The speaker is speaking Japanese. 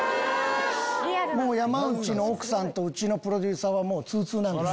山内の奥さんとうちのプロデューサーはもうツウツウなんですよ。